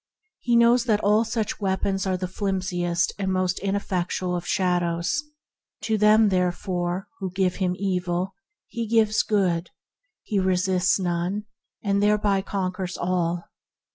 He knows that all such weapons are the flimsiest and most ineffectual of shadows. To them, therefore, who give him evil he gives good. He resists none, and thereby conquers all.